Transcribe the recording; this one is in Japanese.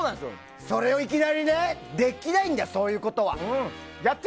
それをいきなりできないんだ、そういうことは。